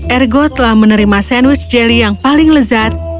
ergo telah menerima sandwich jelly yang paling lezat